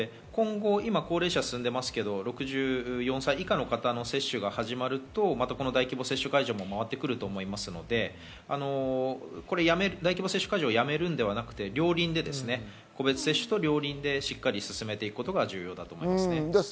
高齢者進んでいますけれども、６４歳以下の接種が始まると、この大規模接種も回ってくると思いますので大規模接種会場をやめるのではなくて、両輪で個別接種と両輪でしっかり進めていくことが重要だと思います。